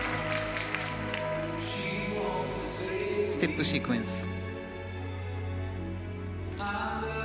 ステップシークエンス。